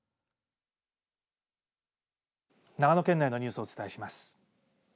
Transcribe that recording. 長野県内のニュースをお伝えします。